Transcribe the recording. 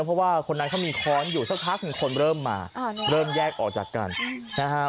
เพราะว่าคนนั้นเขามีค้อนอยู่สักพักหนึ่งคนเริ่มมาเริ่มแยกออกจากกันนะฮะ